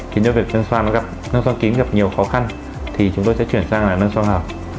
chính do việc nâng xoang kín gặp nhiều khó khăn thì chúng tôi sẽ chuyển sang là nâng xoang hở